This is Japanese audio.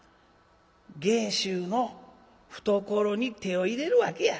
芸衆の懐に手を入れるわけや。